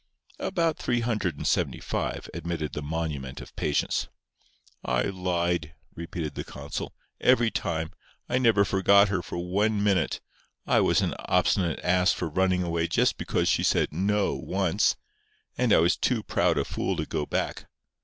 "About three hundred and seventy five," admitted the monument of patience. "I lied," repeated the consul, "every time. I never forgot her for one minute. I was an obstinate ass for running away just because she said 'No' once. And I was too proud a fool to go back.